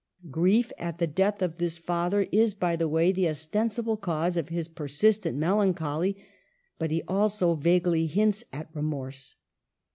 Grief at the death of this father is, by the way, the ostensible cause of his persistent melancholy, but he also vaguely hints at remorse.